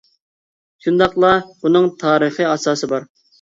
شۇنداقلا بۇنىڭ تارىخى ئاساسى بار.